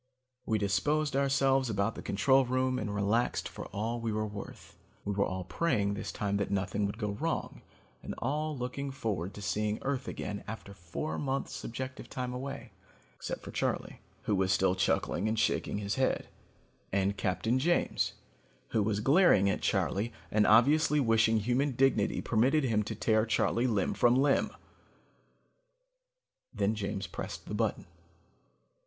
We disposed ourselves about the control room and relaxed for all we were worth. We were all praying that this time nothing would go wrong, and all looking forward to seeing Earth again after four months subjective time away, except for Charley, who was still chuckling and shaking his head, and Captain James who was glaring at Charley and obviously wishing human dignity permitted him to tear Charley limb from limb. Then James pressed the button.